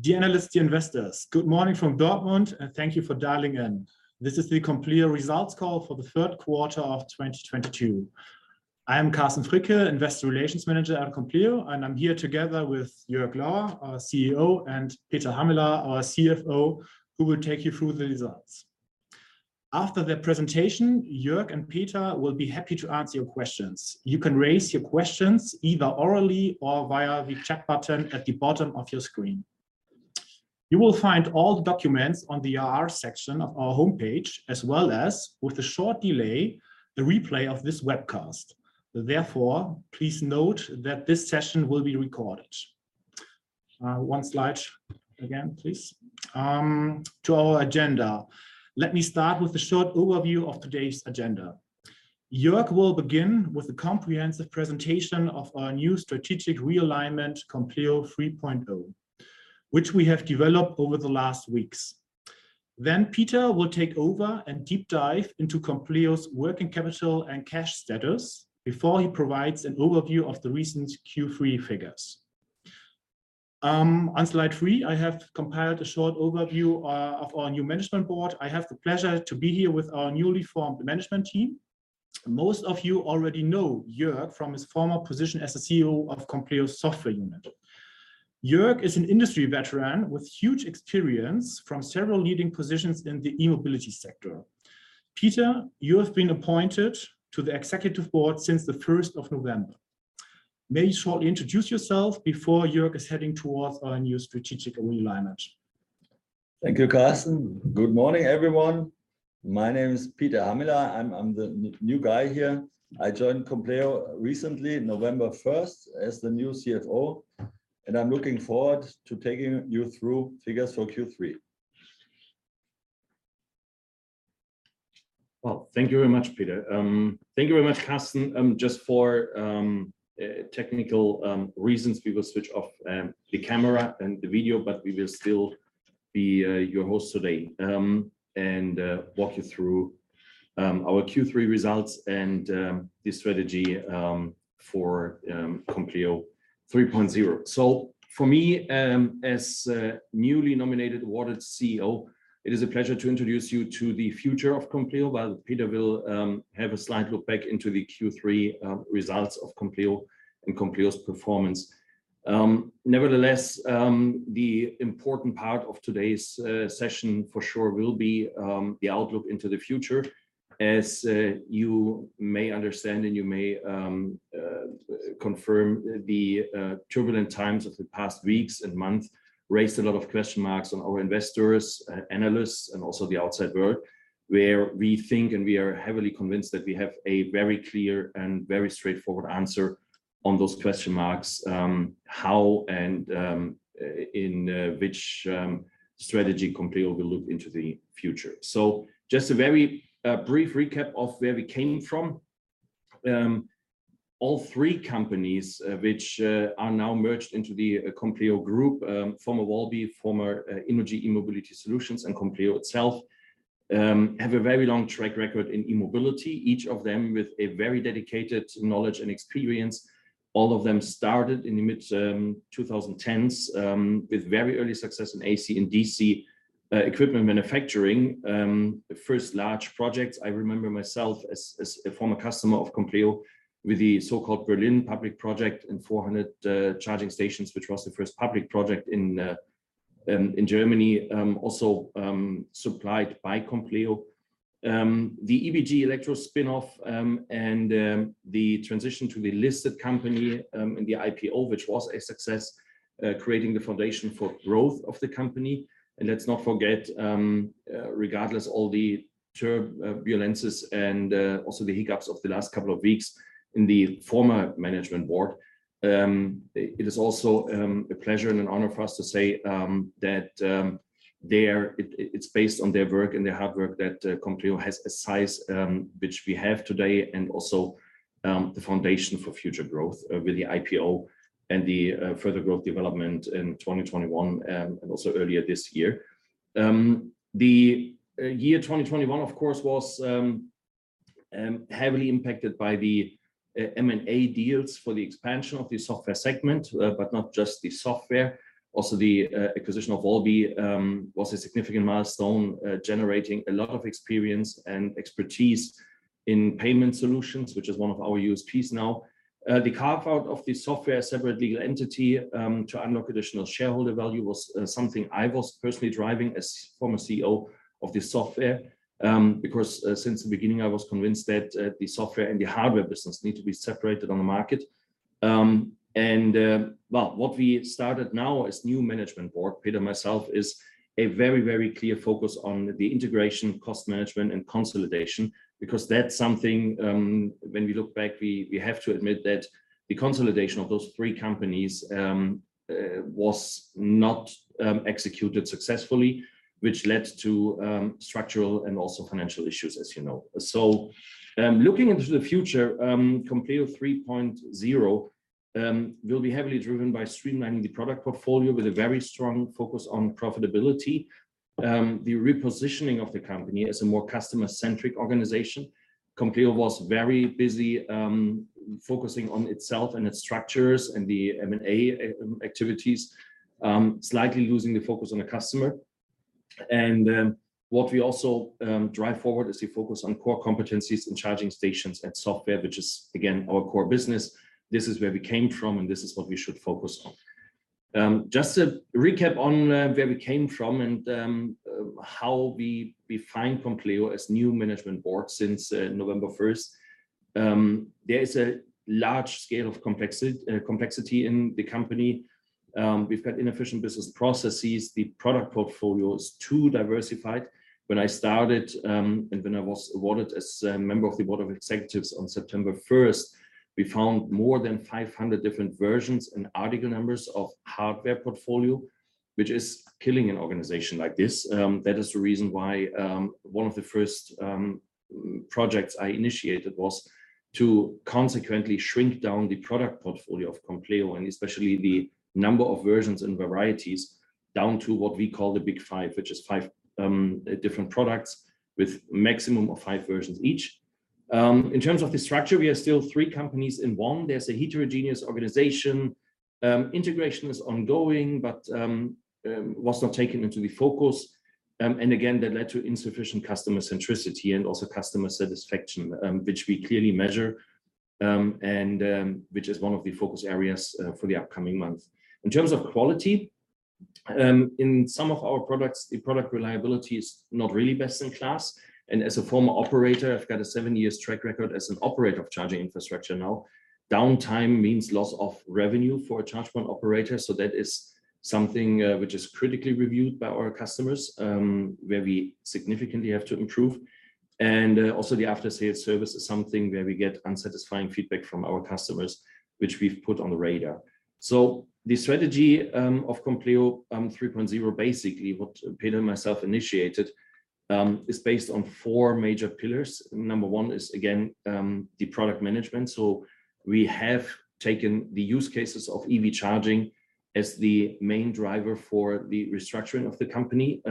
Dear analysts, dear investors, good morning from Dortmund, and thank you for dialing in. This is Compleo results call for the third quarter of 2022. I am Carsten Fricke, Investor Relations Manager at Compleo, and I'm here together with Jörg Lohr, our CEO, and Peter Hamela, our CFO, who will take you through the results. After their presentation, Jörg and Peter will be happy to answer your questions. You can raise your questions either orally or via the chat button at the bottom of your screen. You will find all the documents on the IR section of our homepage as well as, with a short delay, the replay of this webcast. Therefore, please note that this session will be recorded. To our agenda, let me start with a short overview of today's agenda. Jörg will begin with a comprehensive presentation of our new strategic realignment, Compleo 3.0, which we have developed over the last weeks. Peter will take over and deep dive into Compleo's working capital and cash status before he provides an overview of the recent Q3 figures. On slide three, I have compiled a short overview of our new management board. I have the pleasure to be here with our newly formed management team. Most of you already know Jörg from his former position as the CEO of Compleo's software unit. Jörg is an industry veteran with huge experience from several leading positions in the e-mobility sector. Peter, you have been appointed to the executive board since the 1st of November. May you shortly introduce yourself before Jörg is heading towards our new strategic realignment. Thank you, Carsten. Good morning, everyone. My name is Peter Hamela. I'm the new guy here. I joined Compleo recently, November 1st, as the new CFO, and I'm looking forward to taking you through figures for Q3. Well, thank you very much, Peter. Thank you very much, Carsten. Just for technical reasons, we will switch off the camera and the video, but we will still be your host today, and walk you through our Q3 results and the strategy for Compleo 3.0. For me, as newly nominated awarded CEO, it is a pleasure to introduce you to the future of Compleo, while Peter will have a slight look back into the Q3 results of Compleo and Compleo's performance. Nevertheless, the important part of today's session for sure will be the outlook into the future. As you may understand and you may confirm the turbulent times of the past weeks and months raised a lot of question marks on our investors, analysts, and also the outside world, where we think and we are heavily convinced that we have a very clear and very straightforward answer on those question marks, how and in which strategy Compleo will look into the future. Just a very brief recap of where we came from. All three companies which are now merged into the Compleo Group, former wallbe, former innogy eMobility Solutions, and Compleo itself, have a very long track record in e-mobility, each of them with a very dedicated knowledge and experience. All of them started in the mid-2010s with very early success in AC and DC equipment manufacturing. First large projects, I remember myself as a former customer of Compleo with the so-called Berlin public project and 400 charging stations, which was the first public project in Germany, also supplied by Compleo. The EBG electro spinoff and the transition to the listed company in the IPO, which was a success, creating the foundation for growth of the company. Let's not forget, regardless, all the turbulences and also the hiccups of the last couple of weeks in the former management board. It is also a pleasure and an honor for us to say that it's based on their work and their hard work that Compleo has a size which we have today and also the foundation for future growth with the IPO and the further growth development in 2021 and also earlier this year. The year 2021 of course was heavily impacted by the M&A deals for the expansion of the software segment but not just the software. Also, the acquisition of wallbe was a significant milestone, generating a lot of experience and expertise in payment solutions, which is one of our USPs now. The carve-out of the software separate legal entity to unlock additional shareholder value was something I was personally driving as former CEO of the software. Because since the beginning I was convinced that the software and the hardware business need to be separated on the market. Well, what we started now as new management board, Peter and myself, is a very, very clear focus on the integration, cost management and consolidation, because that's something when we look back, we have to admit that the consolidation of those three companies was not executed successfully, which led to structural and also financial issues, as you know. Looking into the future, Compleo 3.0 will be heavily driven by streamlining the product portfolio with a very strong focus on profitability. The repositioning of the company as a more customer-centric organization. Compleo was very busy focusing on itself and its structures and the M&A activities, slightly losing the focus on the customer. What we also drive forward is the focus on core competencies in charging stations and software, which is again our core business. This is where we came from and this is what we should focus on. Just a recap on where we came from and how we found Compleo as new management board since November 1st. There is a large scale of complexity in the company. We've had inefficient business processes. The product portfolio is too diversified. When I started and when I was awarded as a member of the board of executives on September 1st, we found more than 500 different versions and article numbers of hardware portfolio, which is killing an organization like this. That is the reason why one of the first projects I initiated was to consequently shrink down the product portfolio of Compleo and especially the number of versions and varieties down to what we call the Big Five, which is five different products with maximum of five versions each. In terms of the structure, we are still three companies in one. There's a heterogeneous organization. Integration is ongoing, but was not taken into the focus. That led to insufficient customer centricity and also customer satisfaction, which we clearly measure, and which is one of the focus areas for the upcoming month. In terms of quality, in some of our products, the product reliability is not really best in class. As a former operator, I've got a seven years track record as an operator of charging infrastructure now. Downtime means loss of revenue for a charge point operator. That is something which is critically reviewed by our customers, where we significantly have to improve. Also the after sales service is something where we get unsatisfactory feedback from our customers, which we've put on the radar. The strategy of Compleo 3.0, basically what Peter and myself initiated, is based on four major pillars. Number one is again, the product management. We have taken the use cases of EV charging as the main driver for the restructuring of the company.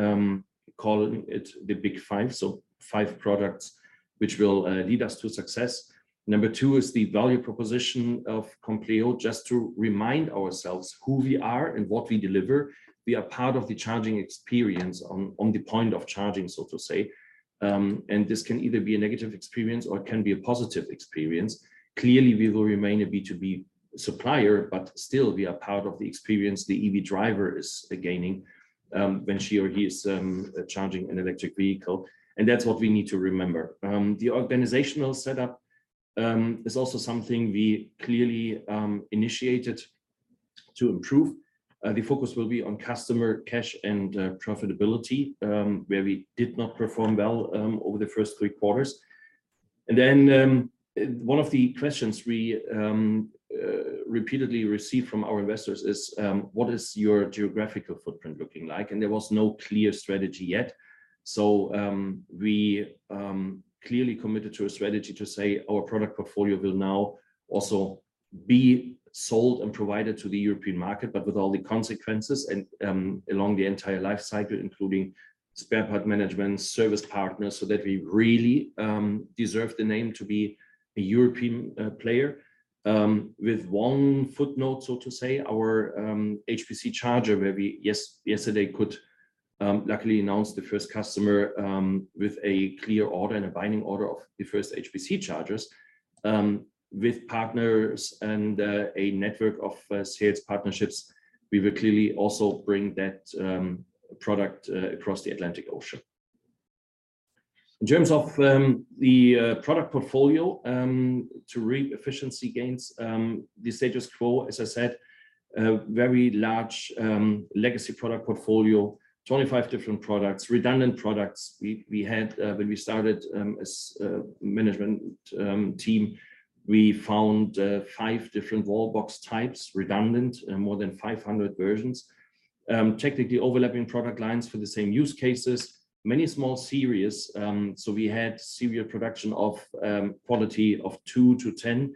Calling it the Big Five. Five products which will lead us to success. Number two is the value proposition of Compleo. Just to remind ourselves who we are and what we deliver. We are part of the charging experience on the point of charging, so to say. This can either be a negative experience or it can be a positive experience. Clearly, we will remain a B2B supplier, but still we are part of the experience the EV driver is gaining, when she or he is charging an electric vehicle. That's what we need to remember. The organizational setup is also something we clearly initiated to improve. The focus will be on customer cash and profitability, where we did not perform well over the first three quarters. Then, one of the questions we repeatedly receive from our investors is, what is your geographical footprint looking like? There was no clear strategy yet. We clearly committed to a strategy to say our product portfolio will now also be sold and provided to the European market, but with all the consequences and along the entire life cycle, including spare part management, service partners, so that we really deserve the name to be a European player. With one footnote, so to say, our HPC charger, where we yesterday could luckily announce the first customer with a clear order and a binding order of the first HPC chargers. With partners and a network of sales partnerships, we will clearly also bring that product across the Atlantic Ocean. In terms of the product portfolio, to reap efficiency gains, the status quo, as I said, a very large legacy product portfolio. 25 different products. Redundant products. We had, when we started as a management team, we found five different wallbox types, redundant, more than 500 versions. Technically overlapping product lines for the same use cases. Many small series. We had serial production of quantities of two-10.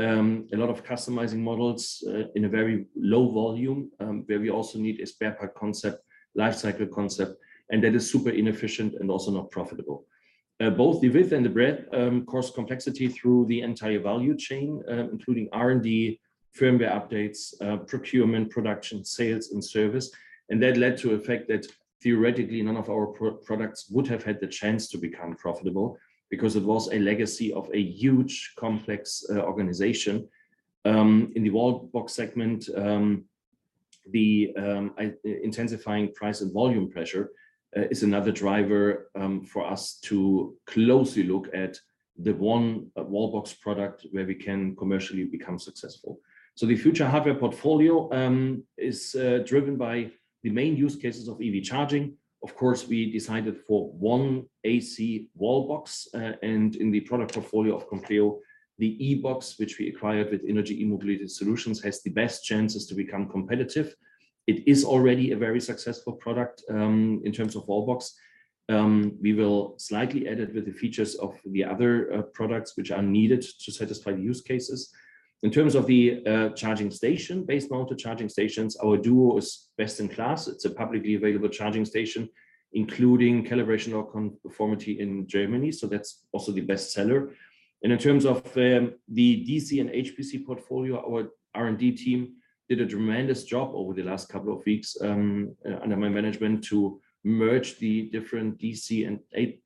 A lot of customizing models in a very low volume, where we also need a spare part concept, life cycle concept, and that is super inefficient and also not profitable. Both the width and the breadth cause complexity through the entire value chain, including R&D, firmware updates, procurement, production, sales and service. That led to the effect that theoretically none of our products would have had the chance to become profitable because it was a legacy of a huge complex organization. In the wall box segment, the intensifying price and volume pressure is another driver for us to closely look at the one wall box product where we can commercially become successful. The future hardware portfolio is driven by the main use cases of EV charging. Of course, we decided for one AC wall box and in the product portfolio of Compleo, the eBOX, which we acquired with innogy eMobility Solutions, has the best chances to become competitive. It is already a very successful product in terms of wallbox. We will slightly edit with the features of the other products which are needed to satisfy the use cases. In terms of the charging station, base-mounted charging stations, our Duo is best in class. It's a publicly available charging station, including calibration or conformity in Germany. That's also the best seller. In terms of the DC and HPC portfolio, our R&D team did a tremendous job over the last couple of weeks under my management to merge the different DC and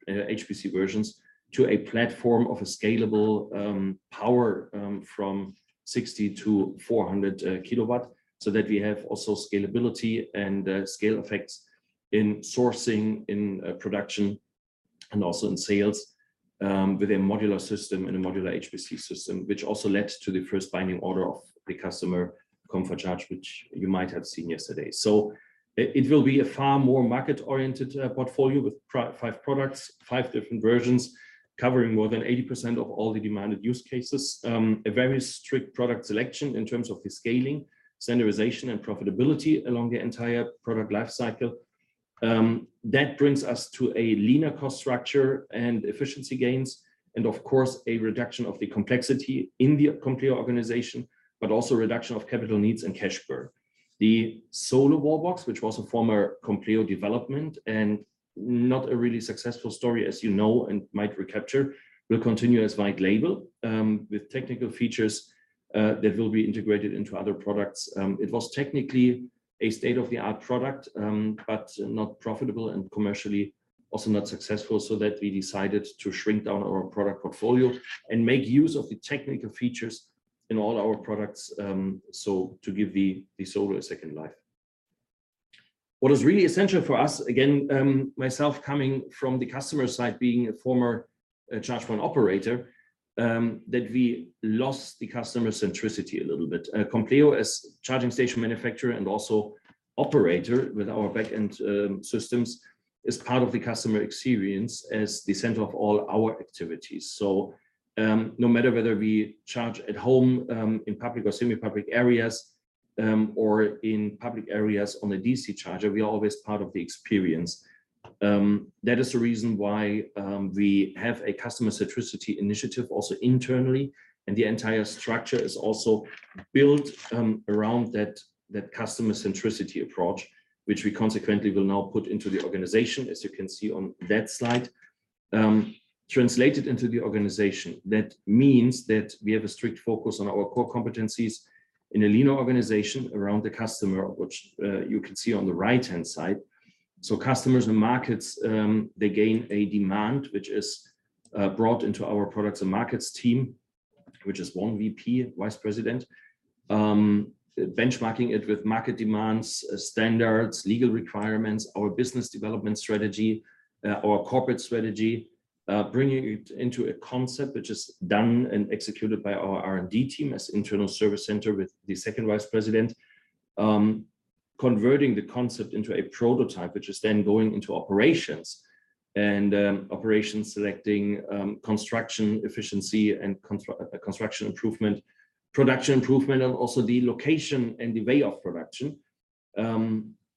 HPC versions to a platform of a scalable power from 60 to 400 kW, so that we have also scalability and scale effects in sourcing, in production and also in sales with a modular system and a modular HPC system, which also led to the first binding order of the customer Comfort Charge, which you might have seen yesterday. It will be a far more market-oriented portfolio with five products, five different versions covering more than 80% of all the demanded use cases. A very strict product selection in terms of the scaling, standardization and profitability along the entire product life cycle. That brings us to a leaner cost structure and efficiency gains and of course, a reduction of the complexity in the Compleo organization, but also reduction of capital needs and cash burn. The SOLO wallbox, which was a former Compleo development and not a really successful story, as you know, and might recapture, will continue as white label, with technical features, that will be integrated into other products. It was technically a state-of-the-art product, but not profitable and commercially also not successful, so that we decided to shrink down our product portfolio and make use of the technical features in all our products, so to give the SOLO a second life. What is really essential for us, again, myself coming from the customer side, being a former charge point operator, that we lost the customer centricity a little bit. Compleo as charging station manufacturer and also operator with our back-end systems is part of the customer experience as the center of all our activities. No matter whether we charge at home, in public or semi-public areas, or in public areas on a DC charger, we are always part of the experience. That is the reason why we have a customer centricity initiative also internally, and the entire structure is also built around that customer centricity approach, which we consequently will now put into the organization, as you can see on that slide. Translated into the organization, that means that we have a strict focus on our core competencies in a leaner organization around the customer, which you can see on the right-hand side. Customers and markets, they gain a demand which is brought into our products and markets team, which is one VP, vice president, benchmarking it with market demands, standards, legal requirements, our business development strategy, our corporate strategy, bringing it into a concept which is done and executed by our R&D team as internal service center with the second vice president. Converting the concept into a prototype, which is then going into operations and operations selecting construction efficiency and construction improvement, production improvement, and also the location and the way of production.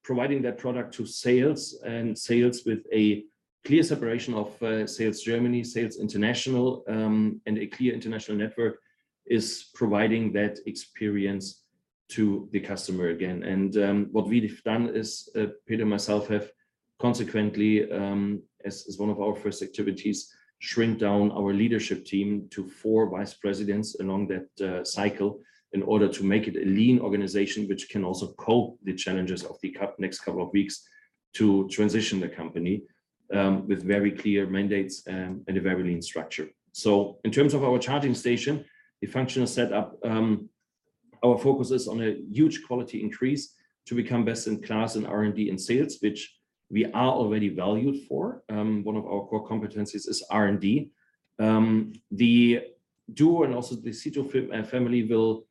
Providing that product to sales and sales with a clear separation of sales Germany, sales international, and a clear international network is providing that experience to the customer again. What we've done is Peter and myself have consequently, as one of our first activities, shrink down our leadership team to four vice presidents along that cycle in order to make it a lean organization, which can also cope with the challenges of the next couple of weeks to transition the company, with very clear mandates, and a very lean structure. In terms of our charging station, the functional set up, our focus is on a huge quality increase to become best in class in R&D and sales, which we are already valued for. One of our core competencies is R&D. The DUO and also the CITO family will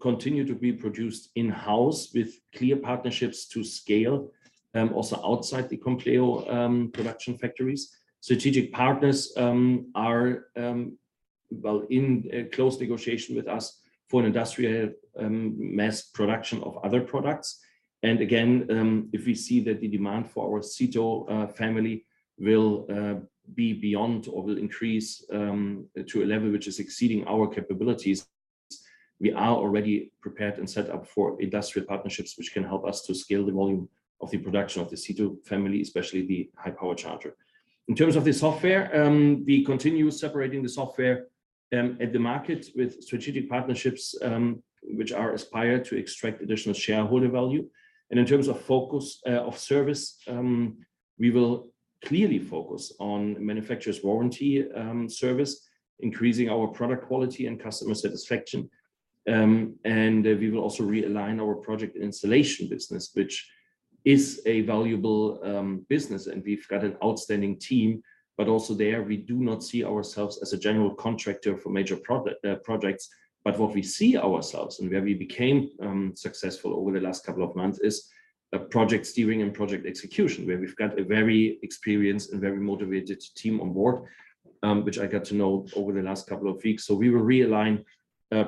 continue to be produced in-house with clear partnerships to scale also outside the Compleo production factories. Strategic partners, well, are in a close negotiation with us for an industrial mass production of other products. Again, if we see that the demand for our CITO family will be beyond or will increase to a level which is exceeding our capabilities, we are already prepared and set up for industrial partnerships, which can help us to scale the volume of the production of the CITO family, especially the high power charger. In terms of the software, we continue separating the software to the market with strategic partnerships, which are designed to extract additional shareholder value. In terms of focus of service, we will clearly focus on manufacturer's warranty service, increasing our product quality and customer satisfaction. We will also realign our project installation business, which is a valuable business, and we've got an outstanding team. Also there, we do not see ourselves as a general contractor for major projects. What we see ourselves and where we became successful over the last couple of months is project steering and project execution, where we've got a very experienced and very motivated team on board, which I got to know over the last couple of weeks. We will realign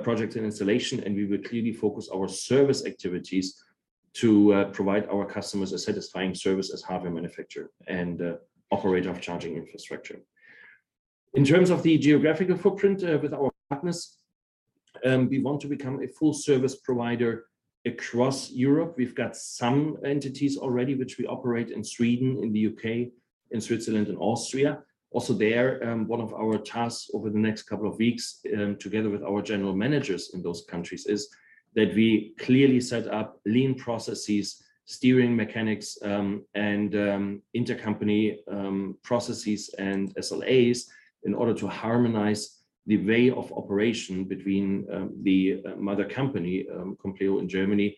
projects and installation, and we will clearly focus our service activities to provide our customers a satisfying service as hardware manufacturer and operator of charging infrastructure. In terms of the geographical footprint, with our partners, we want to become a full service provider across Europe. We've got some entities already which we operate in Sweden, in the U.K., in Switzerland and Austria. Also there, one of our tasks over the next couple of weeks, together with our general managers in those countries, is that we clearly set up lean processes, steering mechanics, and intercompany processes and SLAs in order to harmonize the way of operation between the mother company, Compleo in Germany,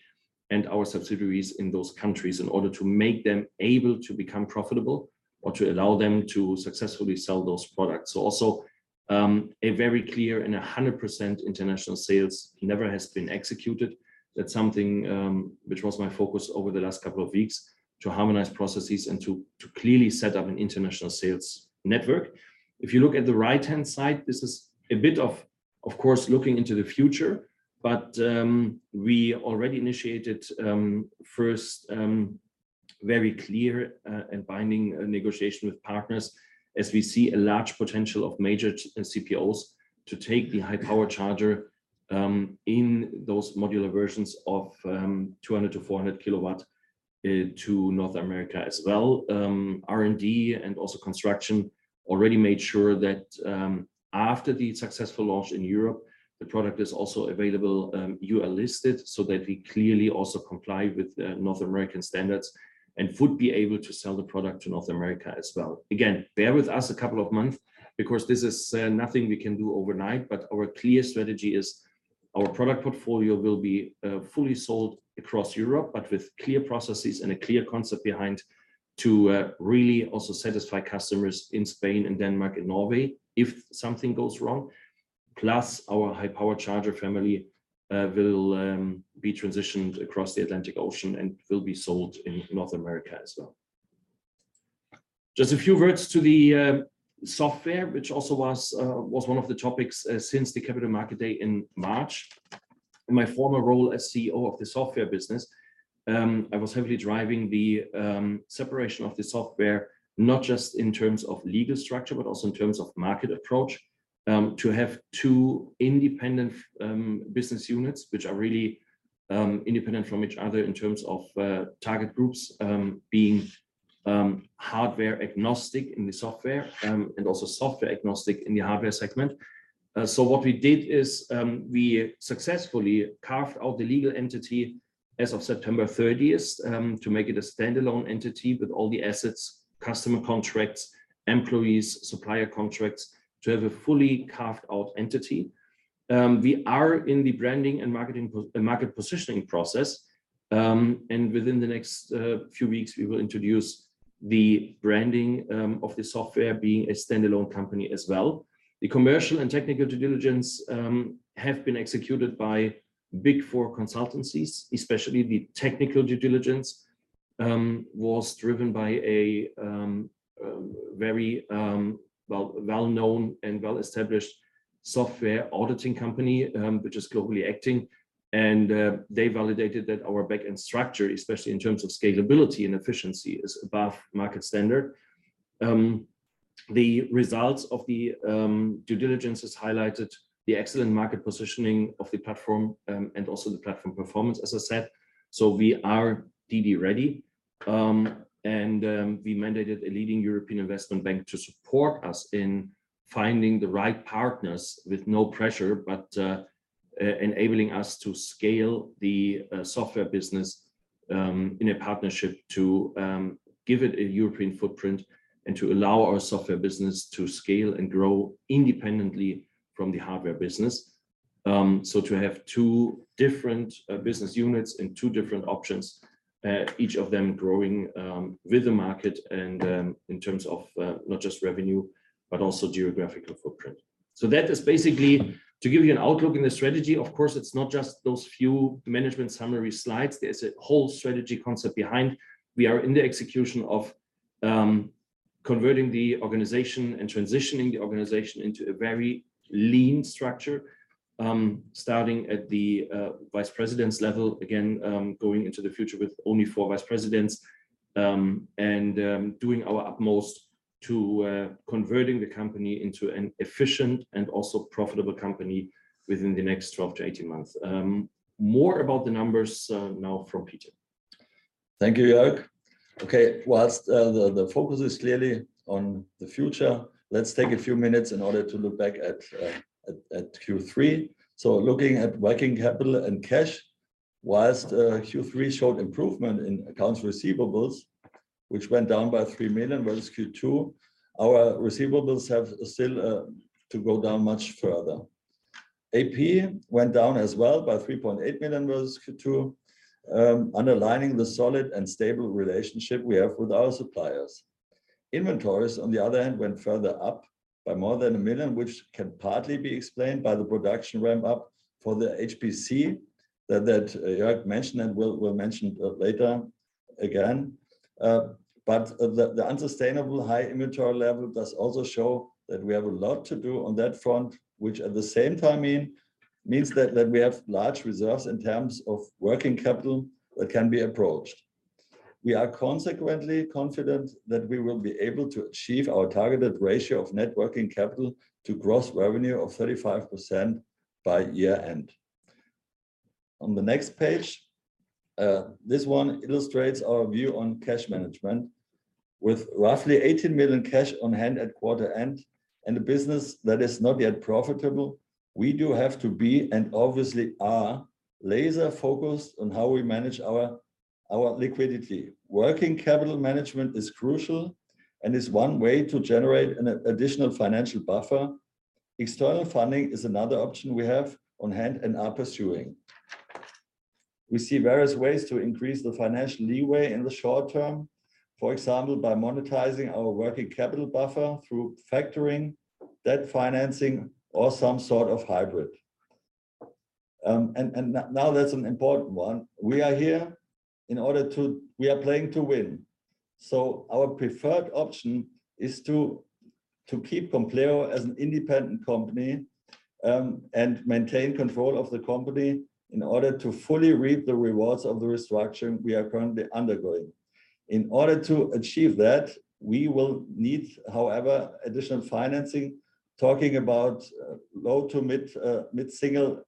and our subsidiaries in those countries in order to make them able to become profitable or to allow them to successfully sell those products. Also, a very clear and 100% international sales never has been executed. That's something which was my focus over the last couple of weeks, to harmonize processes and to clearly set up an international sales network. If you look at the right-hand side, this is a bit of course looking into the future. We already initiated first very clear and binding negotiation with partners as we see a large potential of major CPOs to take the high power charger in those modular versions of 200-400 kW to North America as well. R&D and also construction already made sure that after the successful launch in Europe, the product is also available UL listed so that we clearly also comply with North American standards and would be able to sell the product to North America as well. Again, bear with us a couple of months because this is nothing we can do overnight. Our clear strategy is our product portfolio will be fully sold across Europe, but with clear processes and a clear concept behind to really also satisfy customers in Spain and Denmark and Norway if something goes wrong. Plus, our high power charger family will be transitioned across the Atlantic Ocean and will be sold in North America as well. Just a few words to the software, which also was one of the topics since the Capital Markets Day in March. In my former role as CEO of the software business, I was heavily driving the separation of the software, not just in terms of legal structure, but also in terms of market approach, to have two independent business units which are really independent from each other in terms of target groups, being hardware agnostic in the software and also software agnostic in the hardware segment. What we did is we successfully carved out the legal entity as of September 30th to make it a standalone entity with all the assets, customer contracts, employees, supplier contracts. To have a fully carved-out entity. We are in the branding and marketing and market positioning process. Within the next few weeks we will introduce the branding of the software being a standalone company as well. The commercial and technical due diligence have been executed by Big Four consultancies, especially the technical due diligence was driven by a very well-known and well-established software auditing company which is globally acting. They validated that our back end structure, especially in terms of scalability and efficiency, is above market standard. The results of the due diligence has highlighted the excellent market positioning of the platform and also the platform performance, as I said. We are DD ready and we mandated a leading European investment bank to support us in finding the right partners with no pressure, but enabling us to scale the software business in a partnership to give it a European footprint and to allow our software business to scale and grow independently from the hardware business. To have two different business units and two different options, each of them growing with the market and in terms of not just revenue, but also geographical footprint. That is basically to give you an outlook in the strategy. Of course, it's not just those few management summary slides. There's a whole strategy concept behind. We are in the execution of converting the organization and transitioning the organization into a very lean structure, starting at the vice presidents level, again, going into the future with only four vice presidents, and doing our utmost to converting the company into an efficient and also profitable company within the next 12-18 months. More about the numbers, now from Peter. Thank you, Jörg. Okay. While the focus is clearly on the future, let's take a few minutes in order to look back at Q3. Looking at working capital and cash, while Q3 showed improvement in accounts receivables, which went down by 3 million versus Q2, our receivables have still to go down much further. AP went down as well by 3.8 million versus Q2, underlining the solid and stable relationship we have with our suppliers. Inventories, on the other hand, went further up by more than a million, which can partly be explained by the production ramp-up for the HPC that Jörg mentioned and we'll mention later again, but the unsustainable high inventory level does also show that we have a lot to do on that front, which at the same time means that we have large reserves in terms of working capital that can be approached. We are consequently confident that we will be able to achieve our targeted ratio of net working capital to gross revenue of 35% by year-end. On the next page, this one illustrates our view on cash management. With roughly 18 million cash on hand at quarter end and a business that is not yet profitable, we do have to be, and obviously are, laser focused on how we manage our liquidity. Working capital management is crucial and is one way to generate an additional financial buffer. External funding is another option we have on hand and are pursuing. We see various ways to increase the financial leeway in the short term, for example, by monetizing our working capital buffer through factoring, debt financing or some sort of hybrid. Now that's an important one. We are playing to win. Our preferred option is to keep Compleo as an independent company, and maintain control of the company in order to fully reap the rewards of the restructuring we are currently undergoing. In order to achieve that, we will need, however, additional financing, talking about low- to mid-single- to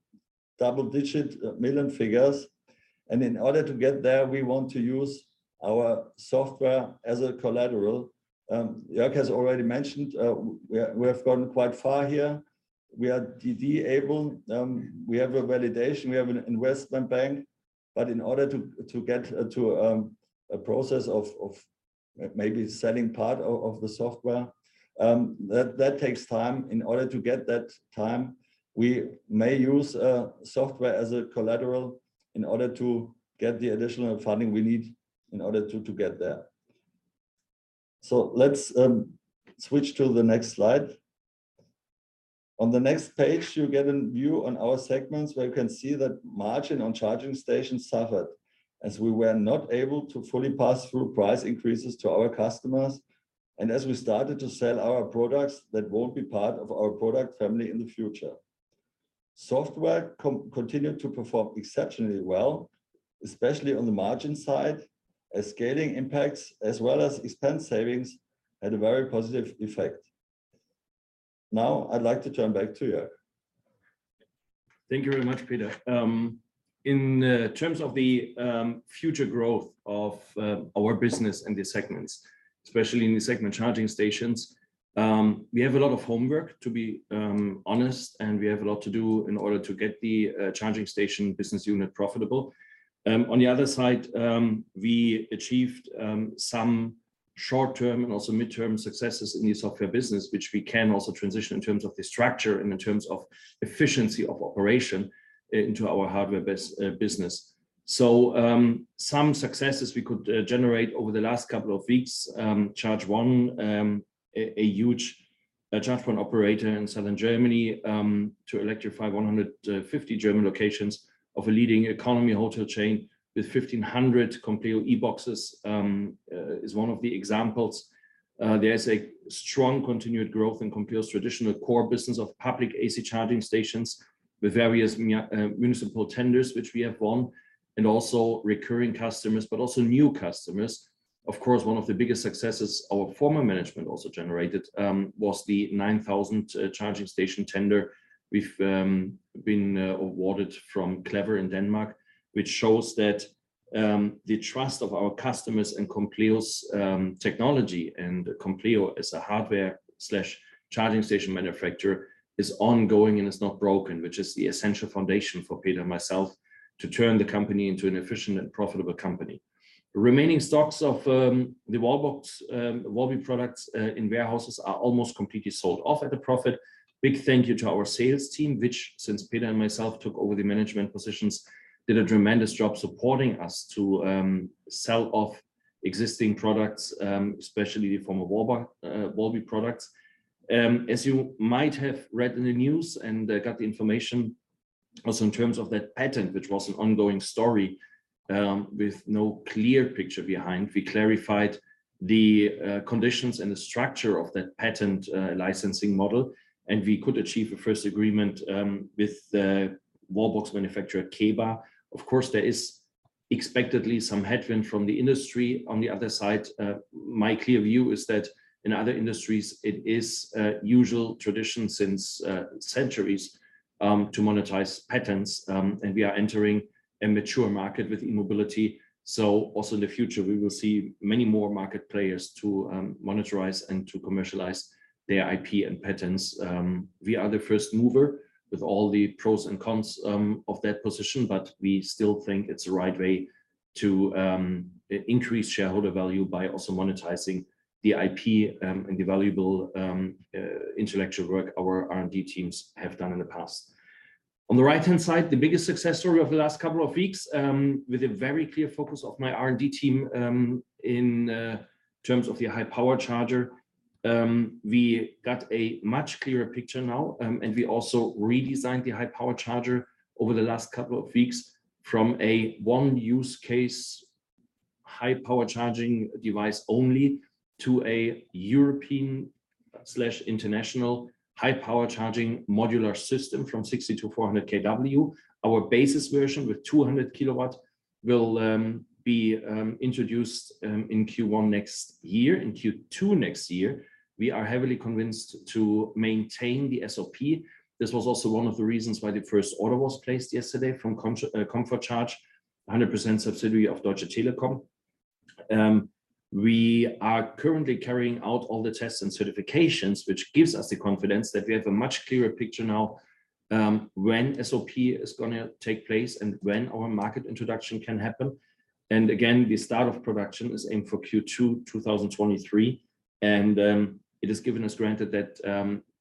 double-digit million figures. In order to get there, we want to use our software as a collateral. Jörg has already mentioned we have gotten quite far here. We are DD able. We have a valuation, we have an investment bank. In order to get to a process of maybe selling part of the software, that takes time. In order to get that time, we may use software as a collateral in order to get the additional funding we need in order to get there. Let's switch to the next slide. On the next page, you get a view on our segments, where you can see that margin on charging stations suffered as we were not able to fully pass through price increases to our customers and as we started to sell our products that won't be part of our product family in the future. Software continued to perform exceptionally well, especially on the margin side, as scaling impacts as well as expense savings had a very positive effect. Now I'd like to turn back to Jörg. Thank you very much, Peter. In terms of the future growth of our business in the segments, especially in the segment charging stations, we have a lot of homework, to be honest, and we have a lot to do in order to get the charging station business unit profitable. On the other side, we achieved some short-term and also mid-term successes in the software business, which we can also transition in terms of the structure and in terms of efficiency of operation, into our hardware business. Some successes we could generate over the last couple of weeks, ChargeOne, a huge ChargeOne operator in southern Germany, to electrify 150 German locations of a leading economy hotel chain with 1,500 Compleo eBOXes, is one of the examples. There is a strong continued growth in Compleo's traditional core business of public AC charging stations with various municipal tenders, which we have won, and also recurring customers, but also new customers. Of course, one of the biggest successes our former management also generated was the 9,000th charging station tender we've been awarded from Clever in Denmark, which shows that the trust of our customers in Compleo's technology and Compleo as a hardware/charging station manufacturer is ongoing and is not broken, which is the essential foundation for Peter and myself to turn the company into an efficient and profitable company. Remaining stocks of the wallbox wallbe products in warehouses are almost completely sold off at a profit. Big thank you to our sales team, which, since Peter and myself took over the management positions, did a tremendous job supporting us to sell off existing products, especially from wallbe products. As you might have read in the news and got the information also in terms of that patent, which was an ongoing story with no clear picture behind. We clarified the conditions and the structure of that patent licensing model, and we could achieve a first agreement with the wallbox manufacturer KEBA. Of course, there is expectedly some headwind from the industry. On the other side, my clear view is that in other industries it is usual tradition since centuries to monetize patents, and we are entering a mature market with e-mobility. Also in the future we will see many more market players to monetize and to commercialize their IP and patents. We are the first mover with all the pros and cons of that position, but we still think it's the right way to increase shareholder value by also monetizing the IP and the valuable intellectual work our R&D teams have done in the past. On the right-hand side, the biggest success story of the last couple of weeks with a very clear focus of my R&D team in terms of the high power charger. We got a much clearer picture now, and we also redesigned the high-power charger over the last couple of weeks from a one use case high power charging device only to a European/international high power charging modular system from 60 to 400 kW. Our base version with 200 kW will be introduced in Q1 next year. In Q2 next year, we are highly convinced to maintain the SOP. This was also one of the reasons why the first order was placed yesterday from Comfort Charge, a 100% subsidiary of Deutsche Telekom. We are currently carrying out all the tests and certifications, which gives us the confidence that we have a much clearer picture now, when SOP is gonna take place and when our market introduction can happen. The start of production is aimed for Q2 2023. It has given us granted that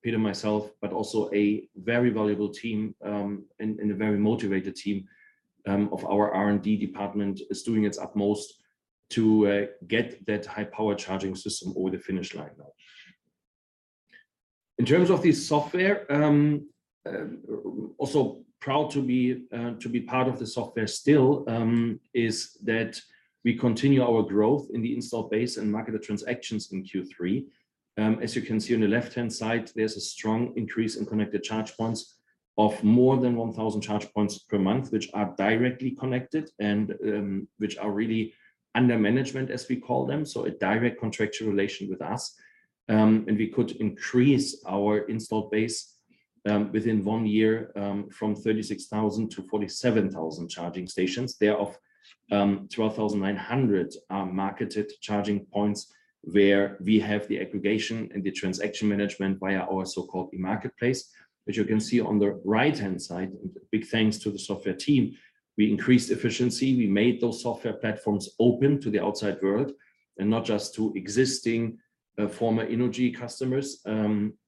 Peter and myself, but also a very valuable team and a very motivated team of our R&D department is doing its utmost to get that high-power charging system over the finish line now. In terms of the software, I'm also proud to be part of the software still, in that we continue our growth in the installed base and marketed transactions in Q3. As you can see on the left-hand side, there's a strong increase in connected charge points of more than 1,000 charge points per month, which are directly connected and which are really under management, as we call them, so a direct contractual relation with us. We could increase our installed base within one year from 36,000 to 47,000 charging stations. Thereof, 12,900 marketed charging points where we have the aggregation and the transaction management via our so-called eMARKETPLACE. As you can see on the right-hand side, big thanks to the software team, we increased efficiency, we made those software platforms open to the outside world and not just to existing, former innogy customers,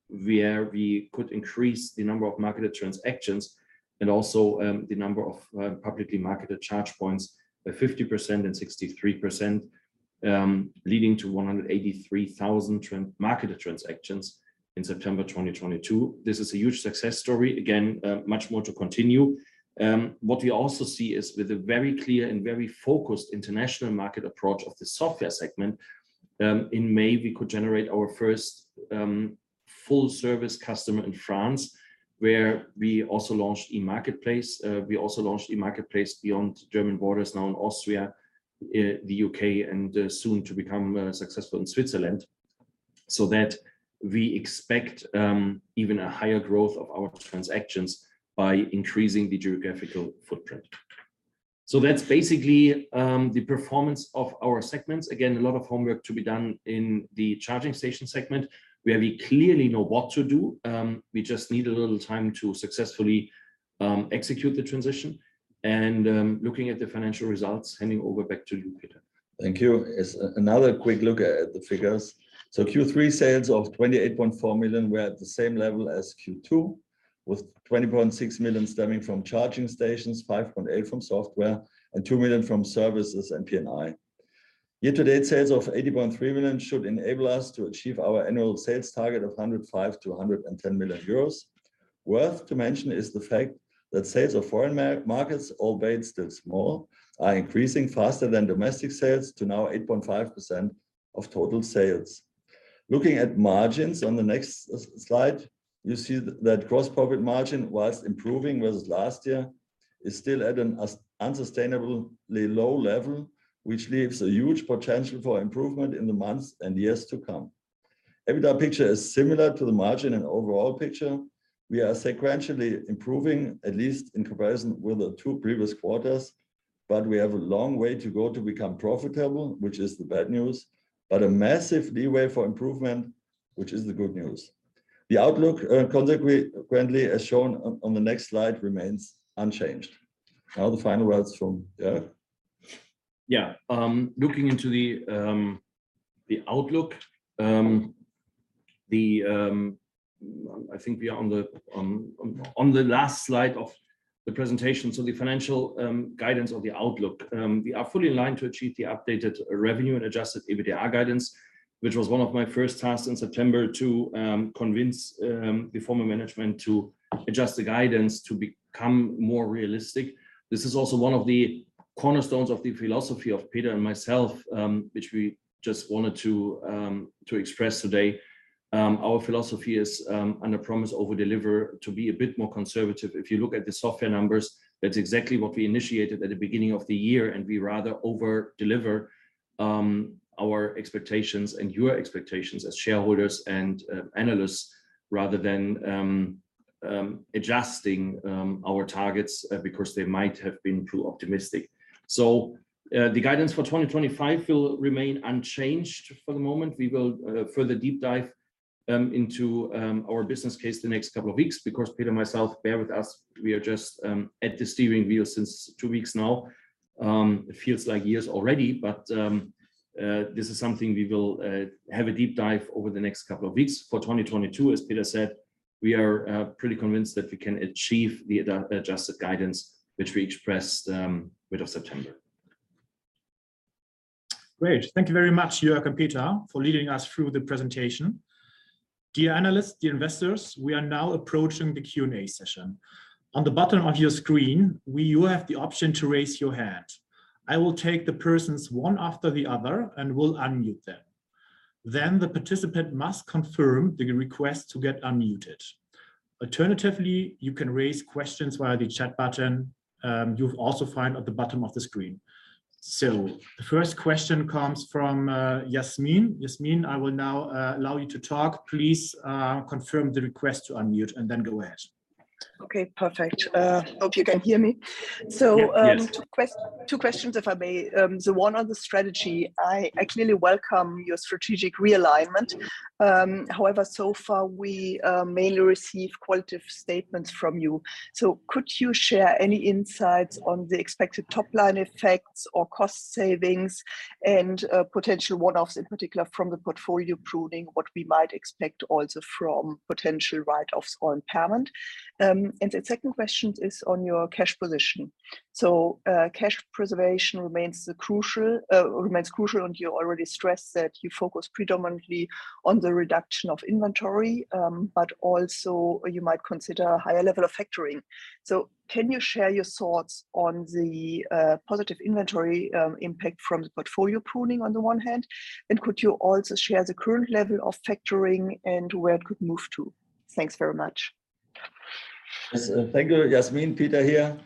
where we could increase the number of marketed transactions and also the number of publicly marketed charge points by 50% and 63%, leading to 183,000 marketed transactions in September 2022. This is a huge success story. Again, much more to continue. What we also see is with a very clear and very focused international market approach of the software segment, in May, we could generate our first full service customer in France, where we also launched eMARKETPLACE. We also launched eMARKETPLACE beyond German borders, now in Austria, the U.K., and soon to become successful in Switzerland, so that we expect even a higher growth of our transactions by increasing the geographical footprint. That's basically the performance of our segments. Again, a lot of homework to be done in the charging station segment, where we clearly know what to do. We just need a little time to successfully execute the transition. Looking at the financial results, handing over back to you, Peter. Thank you. As another quick look at the figures. Q3 sales of 28.4 million were at the same level as Q2, with 20.6 million stemming from charging stations, 5.8 million from software, and 2 million from services and P&I. Year-to-date sales of 80.3 million should enable us to achieve our annual sales target of 105 million-110 million euros. Worth mentioning is the fact that sales of foreign markets, albeit still small, are increasing faster than domestic sales to now 8.5% of total sales. Looking at margins on the next slide, you see that gross profit margin, while improving versus last year, is still at an unsustainably low level, which leaves a huge potential for improvement in the months and years to come. EBITDA picture is similar to the margin and overall picture. We are sequentially improving, at least in comparison with the two previous quarters, but we have a long way to go to become profitable, which is the bad news. A massive leeway for improvement, which is the good news. The outlook, consequently, as shown on the next slide, remains unchanged. Now the final words from. Yeah. Looking into the outlook, I think we are on the last slide of the presentation, so the financial guidance or the outlook. We are fully aligned to achieve the updated revenue and Adjusted EBITDA guidance, which was one of my first tasks in September to convince the former management to adjust the guidance to become more realistic. This is also one of the cornerstones of the philosophy of Peter and myself, which we just wanted to express today. Our philosophy is under promise, over deliver, to be a bit more conservative. If you look at the software numbers, that's exactly what we initiated at the beginning of the year, and we rather over-deliver our expectations and your expectations as shareholders and analysts, rather than adjusting our targets because they might have been too optimistic. The guidance for 2025 will remain unchanged for the moment. We will further deep dive into our business case the next couple of weeks because Peter and myself, bear with us, we are just at the steering wheel since two weeks now. It feels like years already, but this is something we will have a deep dive over the next couple of weeks. For 2022, as Peter said, we are pretty convinced that we can achieve the adjusted guidance, which we expressed mid-September. Great. Thank you very much, Jörg and Peter, for leading us through the presentation. Dear analysts, dear investors, we are now approaching the Q&A session. On the bottom of your screen, you have the option to raise your hand. I will take the persons one after the other and will unmute them, then the participant must confirm the request to get unmuted. Alternatively, you can raise questions via the chat button, you'll also find at the bottom of the screen. The first question comes from Yasmin. Yasmin, I will now allow you to talk. Please, confirm the request to unmute and then go ahead. Okay. Perfect. Hope you can hear me. Yes. Two questions, if I may. One on the strategy. I clearly welcome your strategic realignment. However, so far we mainly receive qualitative statements from you. Could you share any insights on the expected top-line effects or cost savings and potential one-offs in particular from the portfolio pruning, what we might expect also from potential write-offs or impairment? The second question is on your cash position. Cash preservation remains crucial, and you already stressed that you focus predominantly on the reduction of inventory, but also you might consider a higher level of factoring. Can you share your thoughts on the positive inventory impact from the portfolio pruning on the one hand, and could you also share the current level of factoring and where it could move to? Thanks very much. Yes. Thank you, Yasmin. Peter here.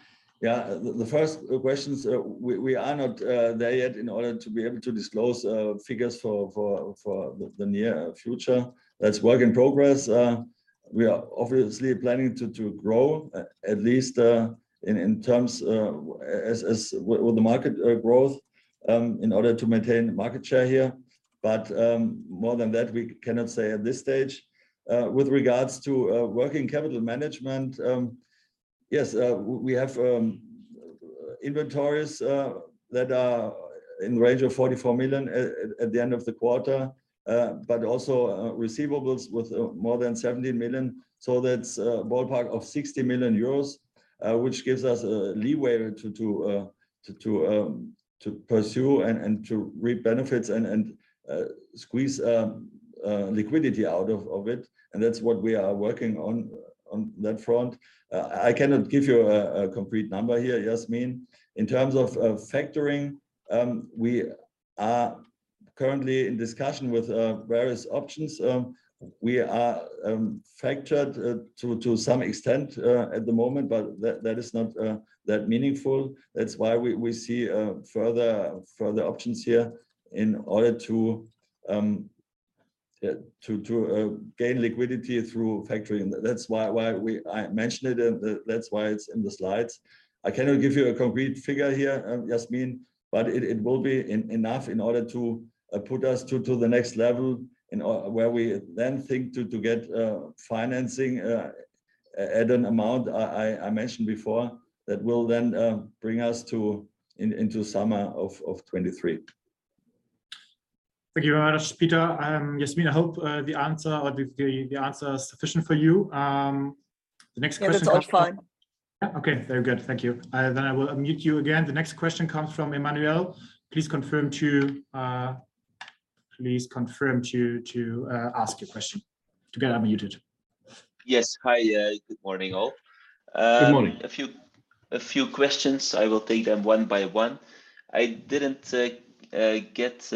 Yeah, the first questions, we are not there yet in order to be able to disclose figures for the near future. That's work in progress. We are obviously planning to grow at least in terms as with the market growth in order to maintain market share here. More than that, we cannot say at this stage. With regards to working capital management, yes, we have inventories that are in range of 44 million at the end of the quarter, but also receivables with more than 17 million, so that's a ballpark of 60 million euros, which gives us a leeway to pursue and to reap benefits and squeeze liquidity out of it and that's what we are working on that front. I cannot give you a complete number here, Yasmin. In terms of factoring, we are currently in discussion with various options. We are factored to some extent at the moment, but that is not that meaningful. That's why we see further options here in order to gain liquidity through factoring. That's why I mentioned it and that's why it's in the slides. I cannot give you a complete figure here, Yasmin, but it will be enough in order to put us to the next level where we then think to get financing at an amount I mentioned before. That will then bring us into summer of 2023. Thank you very much, Peter. Yasmin, I hope the answer is sufficient for you. The next question- Yes, that's all fine. Yeah. Okay. Very good. Thank you. I will unmute you again. The next question comes from Emmanuel. Please confirm to ask your question. You can unmute it. Yes. Hi. Good morning, all. Good morning. A few questions. I will take them one by one. I didn't get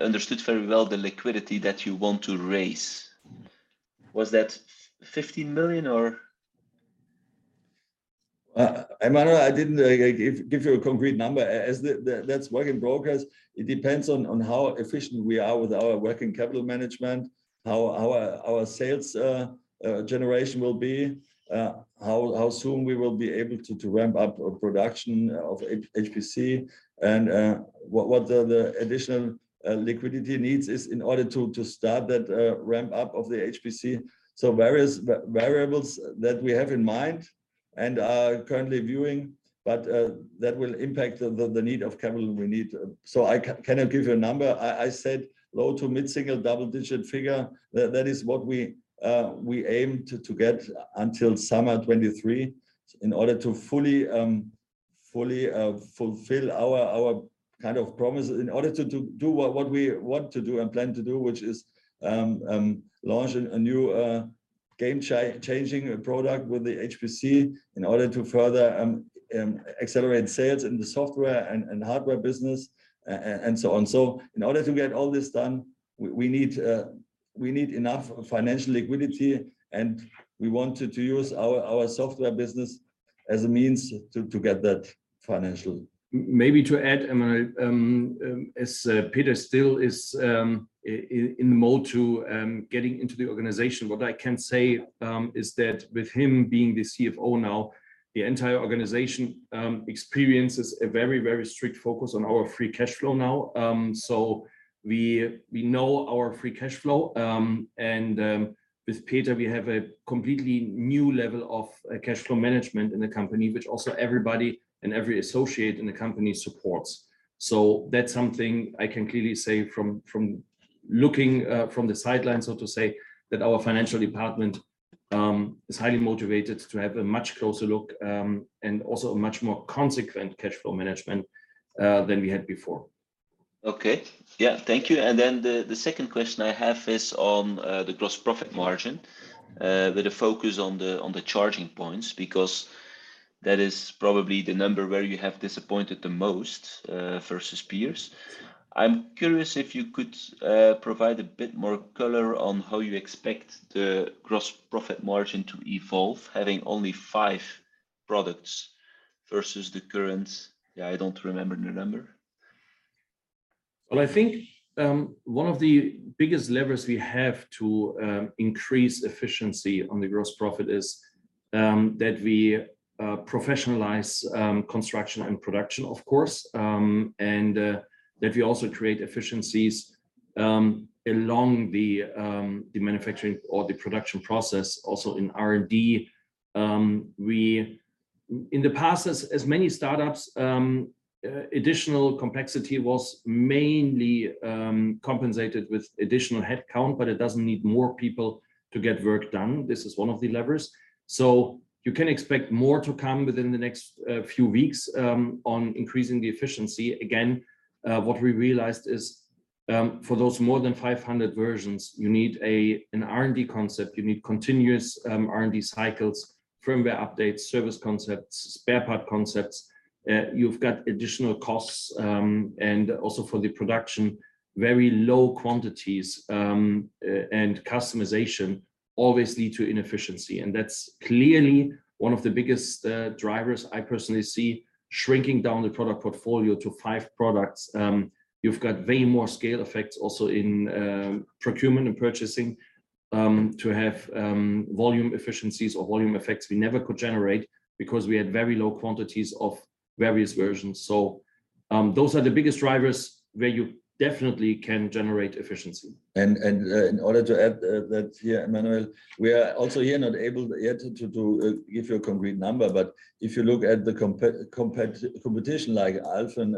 understood very well the liquidity that you want to raise. Was that EUR 15 million or? Emmanuel, I didn't give you a concrete number. That's work in progress. It depends on how efficient we are with our working capital management, how our sales generation will be, how soon we will be able to ramp up production of HPC and what the additional liquidity needs is in order to start that ramp up of the HPC. Various variables that we have in mind and are currently reviewing, but that will impact the need of capital we need. I cannot give you a number. I said low to mid-single double-digit figure. That is what we aim to get until summer 2023 in order to fully fulfill our kind of promise in order to do what we want to do and plan to do, which is launch a new game changing product with the HPC in order to further accelerate sales in the software and hardware business and so on. In order to get all this done, we need enough financial liquidity, and we wanted to use our software business as a means to get that financial. Maybe to add, Emmanuel, Peter still is in the mode to getting into the organization. What I can say is that with him being the CFO now, the entire organization experiences a very, very strict focus on our free cash flow now. We know our free cash flow, and with Peter we have a completely new level of cash flow management in the company, which also everybody and every associate in the company supports. That's something I can clearly say from looking from the sidelines, so to say, that our financial department Is highly motivated to have a much closer look, and also a much more consequent cash flow management, than we had before. Okay. Yeah. Thank you. Then the second question I have is on the gross profit margin with a focus on the charging points, because that is probably the number where you have disappointed the most versus peers. I'm curious if you could provide a bit more color on how you expect the gross profit margin to evolve having only five products versus the current. Yeah, I don't remember the number. Well, I think one of the biggest levers we have to increase efficiency on the gross profit is that we professionalize construction and production, of course, and that we also create efficiencies along the manufacturing or the production process also in R&D. In the past as many startups, additional complexity was mainly compensated with additional headcount, but it doesn't need more people to get work done. This is one of the levers. You can expect more to come within the next few weeks on increasing the efficiency. Again, what we realized is for those more than 500 versions, you need an R&D concept. You need continuous R&D cycles, firmware updates, service concepts, spare part concepts. You've got additional costs, and also for the production, very low quantities. Customization always lead to inefficiency, and that's clearly one of the biggest drivers I personally see shrinking down the product portfolio to five products. You've got way more scale effects also in procurement and purchasing to have volume efficiencies or volume effects we never could generate because we had very low quantities of various versions. Those are the biggest drivers where you definitely can generate efficiency. In order to add that, yeah, Emmanuel, we are also here not able yet to give you a concrete number. If you look at the competition like Alfen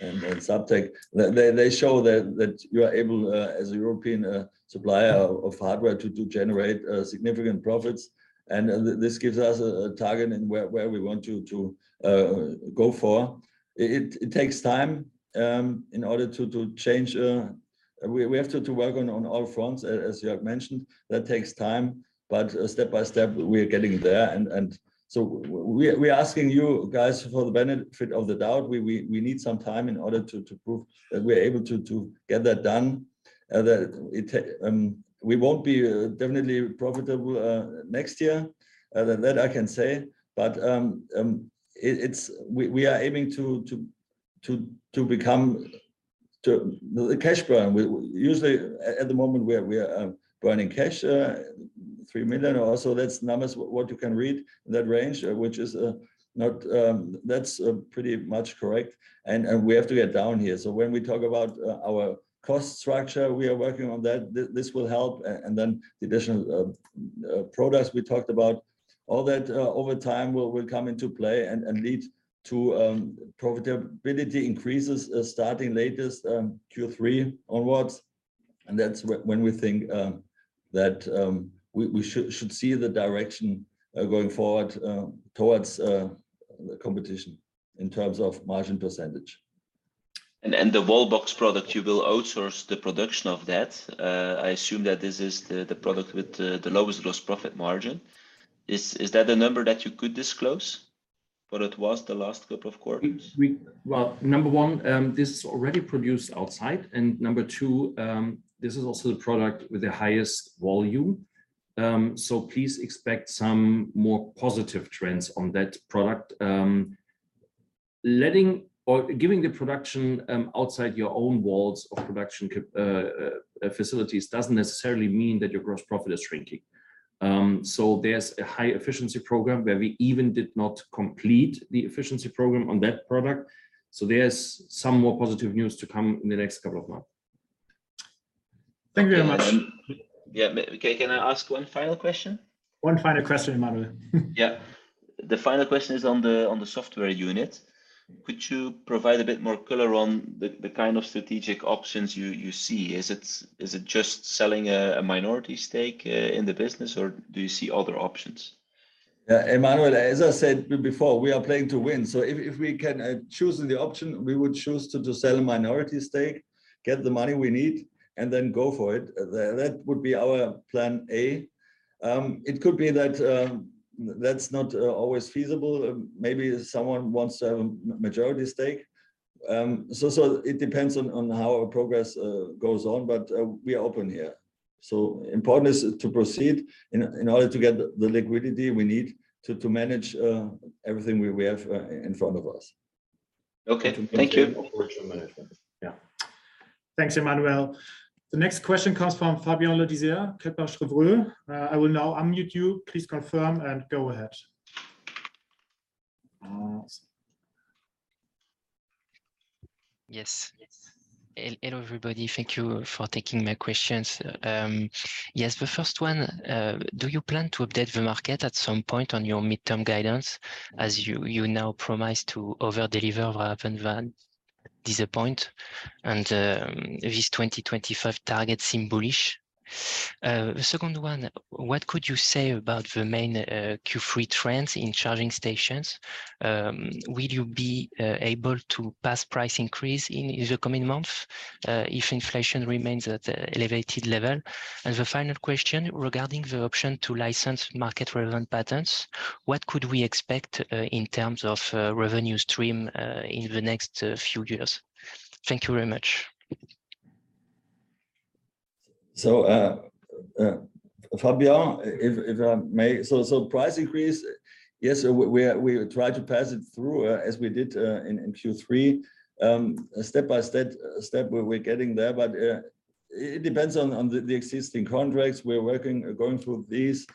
and Zaptec, they show that you are able as a European supplier of hardware to generate significant profits. This gives us a target in where we want to go for. It takes time in order to change. We have to work on all fronts as you have mentioned. That takes time, but step by step, we are getting there. We asking you guys for the benefit of the doubt. We need some time in order to prove that we are able to get that done. We won't be definitely profitable next year. That I can say. We are aiming to the cash burn. At the moment we are burning cash 3 million or so. That's numbers, what you can read in that range, which is not. That's pretty much correct. We have to get down here. When we talk about our cost structure, we are working on that. This will help. The additional products we talked about, all that over time will come into play and lead to profitability increases starting latest Q3 onwards. That's when we think that we should see the direction going forward towards the competition in terms of margin percentage. The wallbox product, you will outsource the production of that. I assume that this is the product with the lowest gross profit margin. Is that a number that you could disclose for what was the last couple of quarters? Well, number one, this is already produced outside, and number two, this is also the product with the highest volume. Please expect some more positive trends on that product. Letting or giving the production outside your own walls of production facilities doesn't necessarily mean that your gross profit is shrinking. There's a high efficiency program where we even did not complete the efficiency program on that product. There's some more positive news to come in the next couple of months. Thank you very much. Yeah. Can I ask one final question? One final question, Emmanuel. Yeah. The final question is on the software unit. Could you provide a bit more color on the kind of strategic options you see? Is it just selling a minority stake in the business, or do you see other options? Yeah. Emmanuel, as I said before, we are playing to win. If we can choose the option, we would choose to just sell a minority stake, get the money we need, and then go for it. That would be our plan A. It could be that that's not always feasible. Maybe someone wants to have a majority stake. It depends on how our progress goes on, but we are open here. Important is to proceed in order to get the liquidity we need to manage everything we have in front of us. Okay. Thank you. To manage our fortune management. Yeah. Thanks, Emmanuel. The next question comes from Fabien Le Disert, Kepler Cheuvreux. I will now unmute you. Please confirm and go ahead. Uh... Yes. Hello everybody. Thank you for taking my questions. Yes. The first one, do you plan to update the market at some point on your midterm guidance as you now promise to overdeliver rather than disappoint? These 2025 targets seem bullish. The second one, what could you say about the main Q3 trends in charging stations? Will you be able to pass price increase in the coming months, if inflation remains at a elevated level? The final question, regarding the option to license market-relevant patents, what could we expect in terms of revenue stream in the next few years? Thank you very much. Fabien, if I may. Price increase, yes, we try to pass it through, as we did in Q3. Step by step, we're getting there. It depends on the existing contracts. We're working, going through these.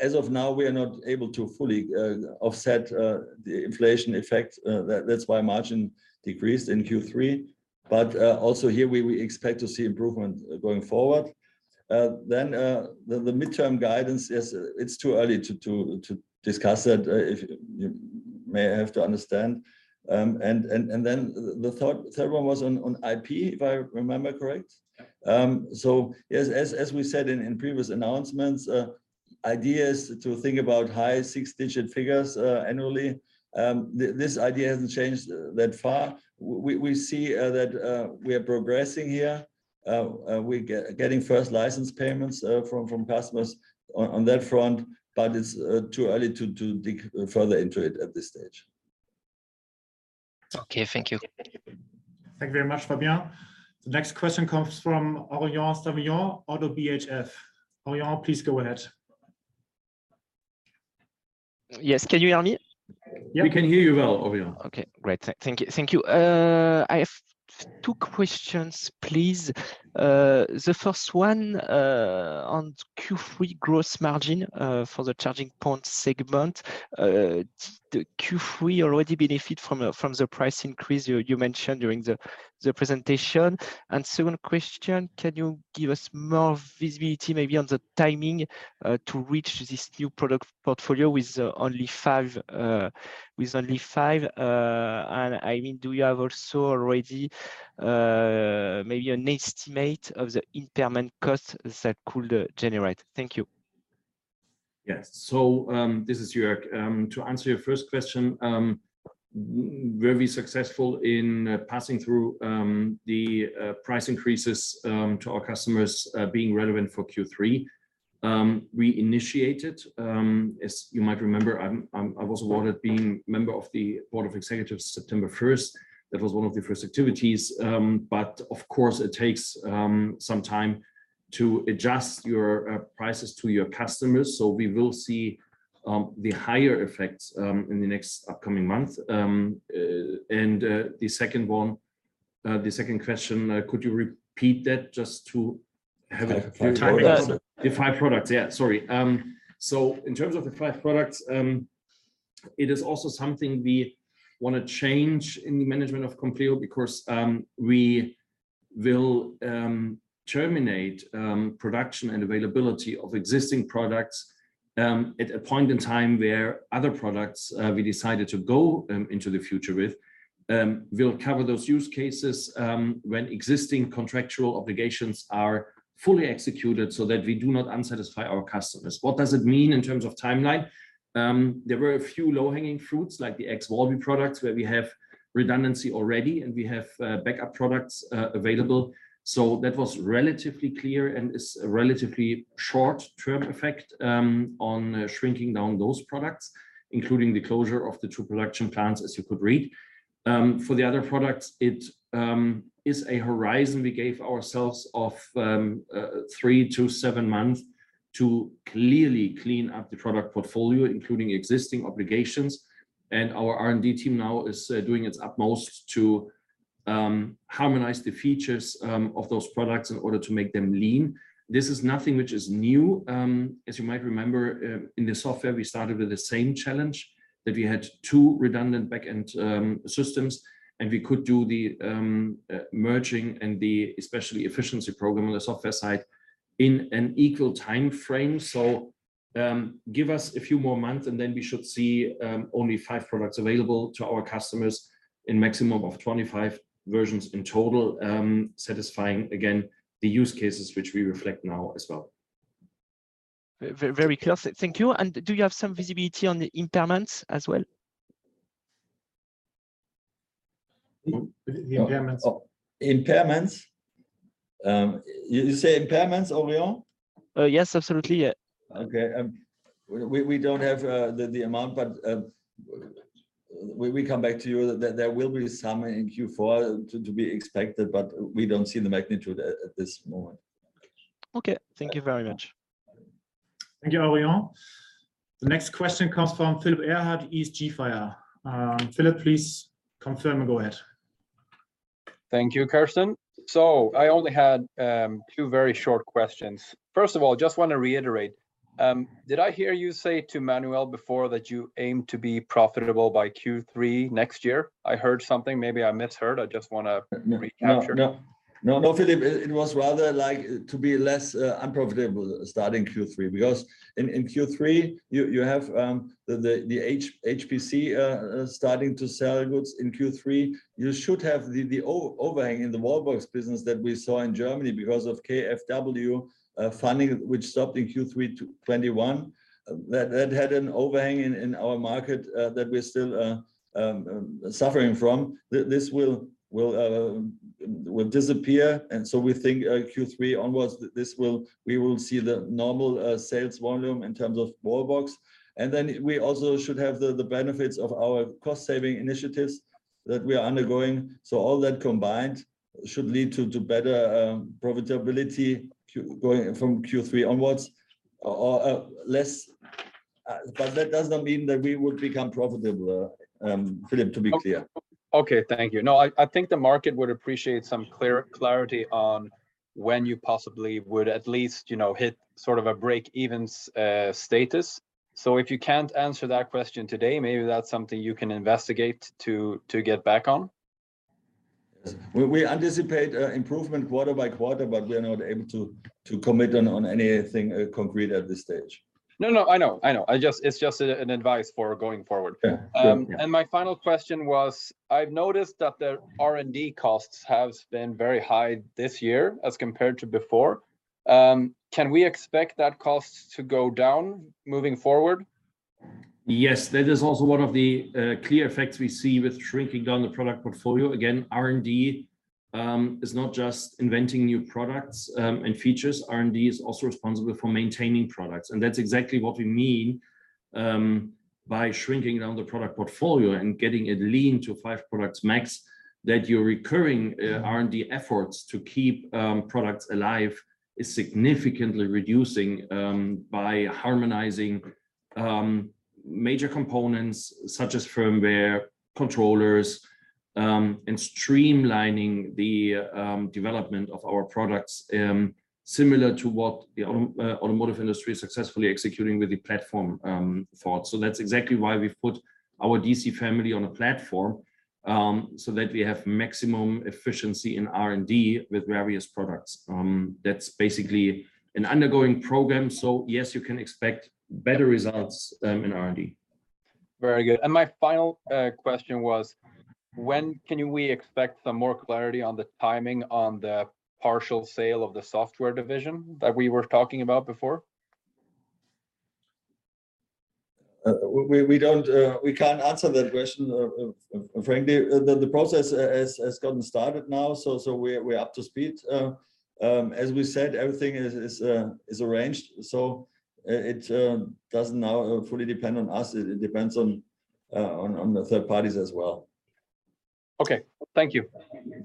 As of now, we are not able to fully offset the inflation effect. That's why margin decreased in Q3. Also here we expect to see improvement going forward. The midterm guidance, yes, it's too early to discuss that. You may have to understand. The third one was on IP, if I remember correctly. Yeah. Yes, as we said in previous announcements, idea is to think about high six-digit figures annually. This idea hasn't changed that far. We see that we are progressing here. We are getting first license payments from customers on that front, but it's too early to dig further into it at this stage. Okay. Thank you. Thank you very much, Fabien. The next question comes from Aurélien Sivignon, Oddo BHF. Aurélien, please go ahead. Yes. Can you hear me? Yeah. We can hear you well, Aurélien. Okay. Great. Thank you. I have two questions, please. The first one on Q3 gross margin for the charging point segment. The Q3 already benefit from the price increase you mentioned during the presentation. Second question, can you give us more visibility maybe on the timing to reach this new product portfolio with only five. I mean, do you have also already maybe an estimate of the impairment costs that could generate? Thank you. Yes, this is Jörg. To answer your first question, very successful in passing through the price increases to our customers, being relevant for Q3. We initiated, as you might remember, I was appointed as a member of the board of executives September 1st. That was one of the first activities. But of course it takes some time to adjust our prices to our customers. We will see the higher effects in the next upcoming month. The second one, the second question, could you repeat that just to have a bit of time. The five products. Yeah. Sorry. In terms of the five products, it is also something we wanna change in the management of Compleo because we will terminate production and availability of existing products at a point in time where other products we decided to go into the future with. We'll cover those use cases when existing contractual obligations are fully executed so that we do not dissatisfy our customers. What does it mean in terms of timeline? There were a few low-hanging fruits, like the ex wallbe products where we have redundancy already, and we have backup products available. That was relatively clear and is a relatively short-term effect on shrinking down those products, including the closure of the two production plants, as you could read. For the other products, it is a horizon we gave ourselves of three-seven months to clearly clean up the product portfolio, including existing obligations. Our R&D team now is doing its utmost to harmonize the features of those products in order to make them lean. This is nothing which is new. As you might remember, in the software, we started with the same challenge, that we had two redundant back-end systems, and we could do the merging and the especially efficiency program on the software side in an equal timeframe. Give us a few more months, and then we should see only five products available to our customers in maximum of 25 versions in total, satisfying again, the use cases which we reflect now as well. Very clear. Thank you. Do you have some visibility on the impairments as well? The impairments. Impairments. You say impairments, Aurélien? Yes, absolutely. Yeah. Okay. We don't have the amount, but we come back to you. There will be some in Q4 to be expected, but we don't see the magnitude at this moment. Okay. Thank you very much. Thank you, Aurélien. The next question comes from Filip Erhardt, ESGFIRE. Filip, please confirm and go ahead. Thank you, Carsten. I only had two very short questions. First of all, just wanna reiterate, did I hear you say to Emmanuel before that you aim to be profitable by Q3 next year? I heard something. Maybe I misheard. I just wanna recap. No, no, Filip, it was rather like to be less unprofitable starting Q3. Because in Q3, you have the HPC starting to sell goods in Q3. You should have the overhang in the wallbox business that we saw in Germany because of KfW funding, which stopped in Q3 2021. That had an overhang in our market that we're still suffering from. This will disappear. We think Q3 onwards we will see the normal sales volume in terms of wallbox. Then we also should have the benefits of our cost saving initiatives that we are undergoing. All that combined should lead to better profitability going from Q3 onwards. Less, but that does not mean that we would become profitable, Filip, to be clear. Okay, thank you. No, I think the market would appreciate some clarity on when you possibly would at least, you know, hit sort of a break-even status. If you can't answer that question today, maybe that's something you can investigate to get back on. Yes. We anticipate improvement quarter by quarter, but we are not able to commit on anything concrete at this stage. No, I know. It's just an advice for going forward. Yeah. Yeah. My final question was, I've noticed that the R&D costs have been very high this year as compared to before. Can we expect that cost to go down moving forward? Yes. That is also one of the clear effects we see with shrinking down the product portfolio. Again, R&D is not just inventing new products and features. R&D is also responsible for maintaining products, and that's exactly what we mean by shrinking down the product portfolio and getting it lean to five products max, that your recurring R&D efforts to keep products alive is significantly reducing by harmonizing major components such as firmware, controllers, and streamlining the development of our products, similar to what the automotive industry is successfully executing with the platform thought. That's exactly why we've put our DC family on a platform so that we have maximum efficiency in R&D with various products. That's basically an ongoing program. Yes, you can expect better results in R&D. Very good. My final question was, when can we expect some more clarity on the timing on the partial sale of the software division that we were talking about before? We can't answer that question, frankly. The process has gotten started now, so we're up to speed. As we said, everything is arranged. It doesn't now fully depend on us. It depends on the third parties as well. Okay. Thank you.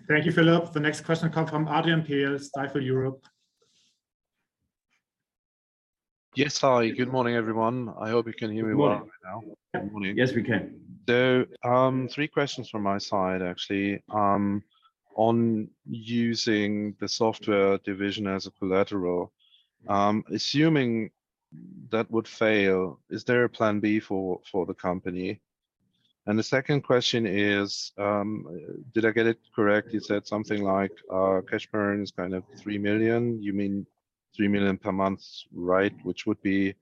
Thank you, Filip. The next question come from Adrian Pehl, Stifel Europe. Yes. Hi, good morning, everyone. I hope you can hear me well right now. Good morning. Good morning. Yes, we can. Three questions from my side, actually. On using the software division as a collateral. Assuming that would fail, is there a plan B for the company? The second question is, did I get it correct? You said something like, cash burn is kind of 3 million. You mean 3 million per month, right? Which would be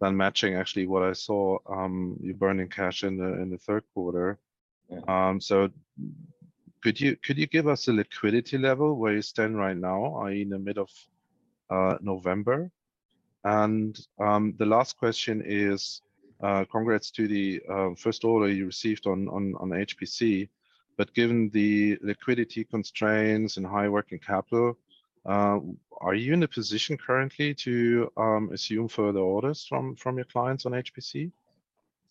then matching actually what I saw, you burning cash in the third quarter. Yeah. So could you give us a liquidity level where you stand right now in the mid of November? The last question is congrats to the first order you received on HPC. But given the liquidity constraints and high working capital, are you in a position currently to assume further orders from your clients on HPC?